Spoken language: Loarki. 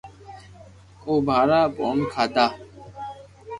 او ڀآرا بادوم کادا